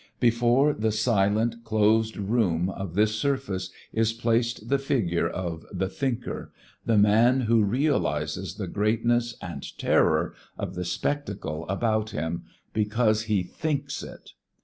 Before the silent, closed room of this surface is placed the figure of "The Thinker," the man who realizes the greatness and terror of the spectacle about him, because he thinks it.